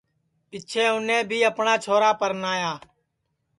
پیچھیں اُنے بھی اپٹؔا چھورا پرنایا